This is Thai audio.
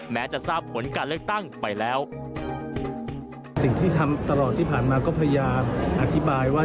แม้จะทราบผลการเลือกตั้งไปแล้วสิ่งที่ทำตลอดที่ผ่านมาก็พยายามอธิบายว่า